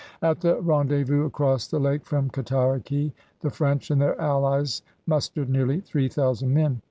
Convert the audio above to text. At the rendezvous across the lake from Cataraqui the French and their allies mustered nearly three thousand men.